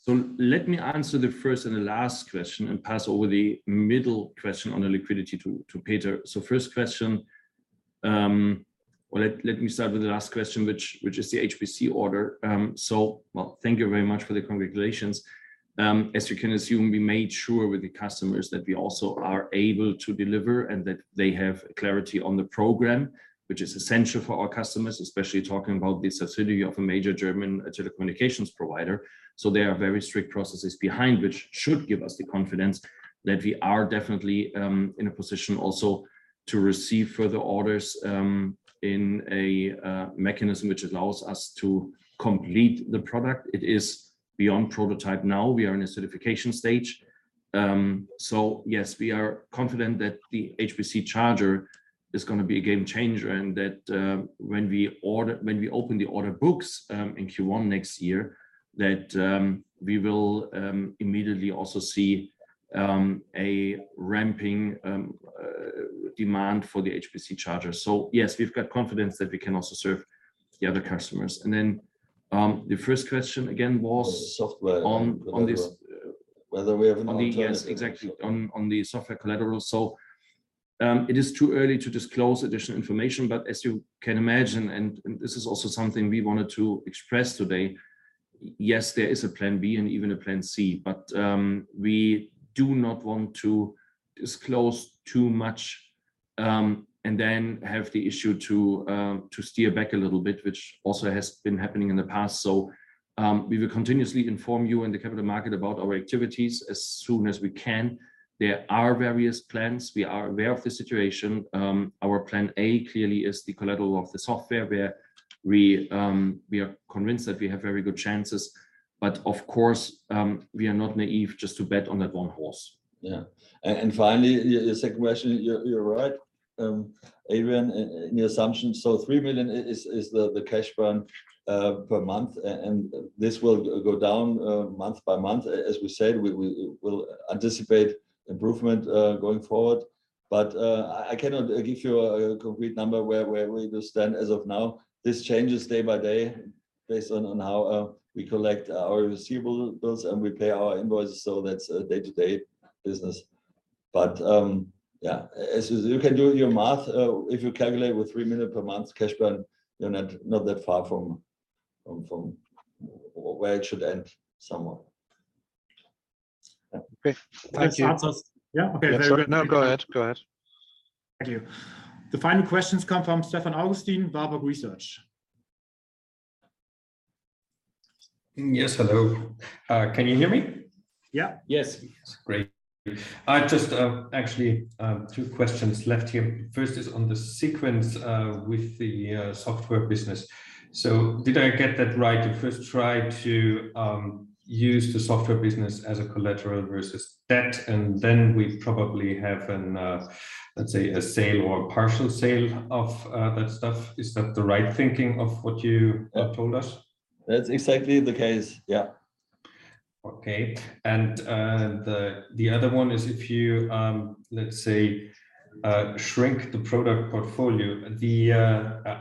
Let me answer the first and the last question, and pass over the middle question on the liquidity to Peter. First question, or let me start with the last question, which is the HPC order. Well, thank you very much for the congratulations. As you can assume, we made sure with the customers that we also are able to deliver and that they have clarity on the program, which is essential for our customers, especially talking about the subsidy of a major German telecommunications provider. There are very strict processes behind which should give us the confidence that we are definitely in a position also to receive further orders in a mechanism which allows us to complete the product. It is beyond prototype now. We are in a certification stage. Yes, we are confident that the HPC charger is gonna be a game changer and that when we open the order books in Q1 next year, we will immediately also see a ramping demand for the HPC charger. Yes, we've got confidence that we can also serve the other customers. The first question again was- Software.... on this- Whether we have an alternative. Yes, exactly. On the software collateral. It is too early to disclose additional information, but as you can imagine, and this is also something we wanted to express today. Yes, there is a plan B and even a plan C, but we do not want to disclose too much, and then have the issue to steer back a little bit, which also has been happening in the past. We will continuously inform you in the capital market about our activities as soon as we can. There are various plans. We are aware of the situation. Our plan A clearly is the collateral of the software where we are convinced that we have very good chances, but of course, we are not naive just to bet on that one horse. Yeah. Finally, yeah, the second question, you're right, Adrian, in your assumption. So 3 million is the cash burn per month, and this will go down month by month. As we said, we will anticipate improvement going forward. But I cannot give you a complete number where we will stand as of now. This changes day by day based on how we collect our receivables and we pay our invoices, so that's a day-to-day business. But yeah, as you can do your math, if you calculate with 3 million per month cash burn, you're not that far from where it should end somewhere. Yeah. Okay. Thank you. That answers. Yeah. Okay. No, go ahead. Go ahead. Thank you. The final questions come from Stefan Augustin, Warburg Research. Yes. Hello. Can you hear me? Yeah. Yes. Great. I just, actually, two questions left here. First is on the sequence, with the, software business. Did I get that right? You first try to, use the software business as a collateral versus debt, and then we probably have an, let's say, a sale or a partial sale of, that stuff. Is that the right thinking of what you, told us? That's exactly the case. Yeah. Okay. The other one is if you, let's say, shrink the product portfolio.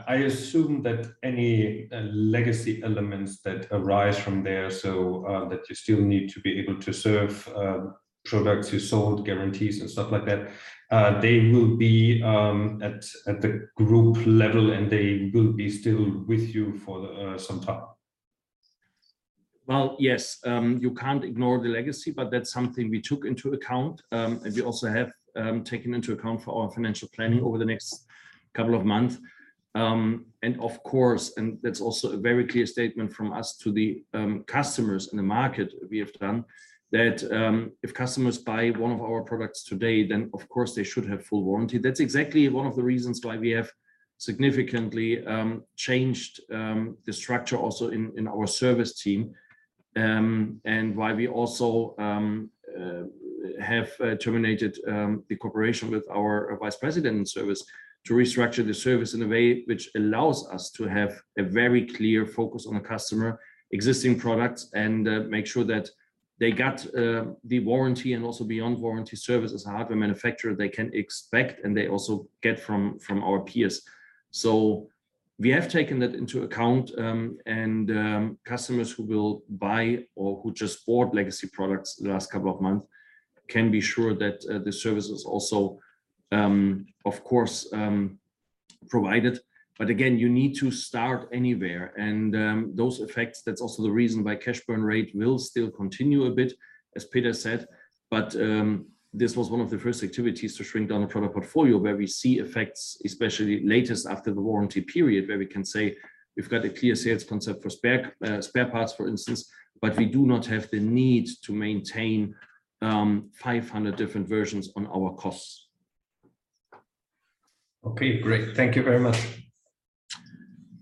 I assume that any legacy elements that arise from there, so that you still need to be able to serve products you sold, guarantees and stuff like that, they will be at the group level and they will be still with you for some time. Well, yes, you can't ignore the legacy, but that's something we took into account, and we also have taken into account for our financial planning over the next couple of months. Of course, and that's also a very clear statement from us to the customers in the market. We have done that if customers buy one of our products today, then of course, they should have full warranty. That's exactly one of the reasons why we have significantly changed the structure also in our service team, and why we also have terminated the cooperation with our Vice President in service to restructure the service in a way which allows us to have a very clear focus on the customer existing products and make sure that they got the warranty and also beyond warranty service as a hardware manufacturer they can expect and they also get from our peers. We have taken that into account, and customers who will buy or who just bought legacy products the last couple of months can be sure that the service is also of course provided. Again, you need to start anywhere, and those effects, that's also the reason why cash burn rate will still continue a bit, as Peter said. This was one of the first activities to shrink down the product portfolio where we see effects, especially at the latest after the warranty period, where we can say we've got a clear sales concept for spare parts, for instance, but we do not have the need to maintain 500 different versions on our costs. Okay, great. Thank you very much.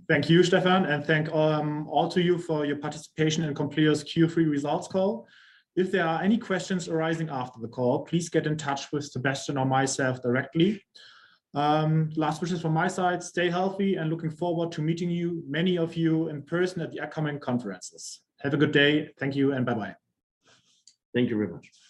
Thank you, Stefan, and thanks to all of you for your participation Compleo's Q3 results call. If there are any questions arising after the call, please get in touch with Sebastian or myself directly. Last wishes from my side, stay healthy and looking forward to meeting many of you in person at the upcoming conferences. Have a good day. Thank you, and bye-bye. Thank you very much.